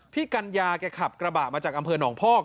กัญญาแกขับกระบะมาจากอำเภอหนองพอก